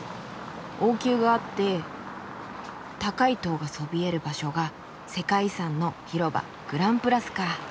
王宮があって高い塔がそびえる場所が世界遺産の広場グランプラスかあ。